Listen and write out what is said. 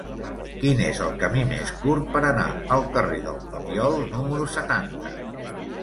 Quin és el camí més curt per anar al carrer del Papiol número setanta?